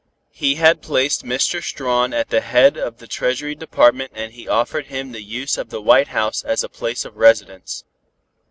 He had placed Mr. Strawn at the head of the Treasury Department and he offered him the use of the White House as a place of residence.